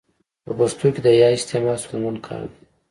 په پښتو کي د ي استعمال ستونزمن کار دی.